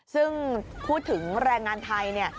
ซึ่งพูดถึงแรงงานไทยเนี่ย